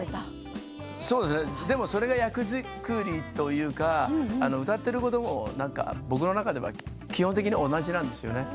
それが役作りというか歌っていることも僕の中では基本的には同じなんですよね。